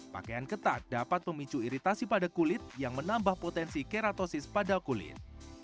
pakaian ketat dapat memicu iritasi pada kulit yang menambah potensi keratosis pada kulit